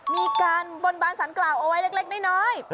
มีการบนบานสารกล่าวเอาไว้เล็กน้อย